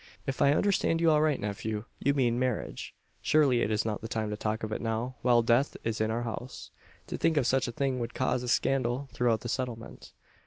"If I understand you aright, nephew, you mean marriage! Surely it is not the time to talk of it now while death is in our house! To think of such a thing would cause a scandal throughout the settlement."